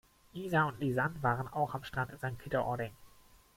Isa und Lisann waren auch am Strand in Sankt Peter-Ording.